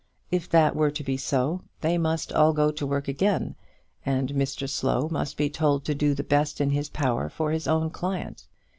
If that were to be so, they must all go to work again, and Mr Slow must be told to do the best in his power for his own client.